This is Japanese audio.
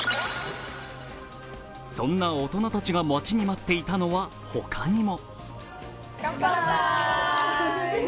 そんな大人たちが待ちに待っていたのはほかにも。